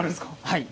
はい。